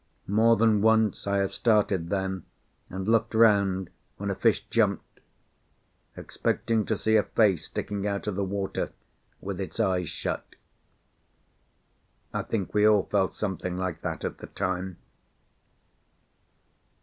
More than once I have started then and looked round when a fish jumped, expecting to see a face sticking out of the water with its eyes shut. I think we all felt something like that at the time.